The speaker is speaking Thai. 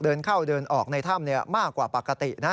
เดินเข้าเดินออกในถ้ำมากกว่าปกตินะ